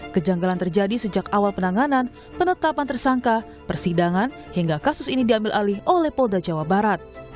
kejanggalan terjadi sejak awal penanganan penetapan tersangka persidangan hingga kasus ini diambil alih oleh polda jawa barat